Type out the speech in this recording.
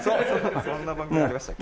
そんな番組ありましたっけ？